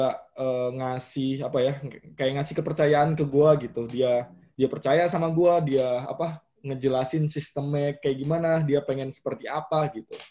dia juga ngasih kepercayaan ke gue gitu dia percaya sama gue dia ngejelasin sistemnya kayak gimana dia pengen seperti apa gitu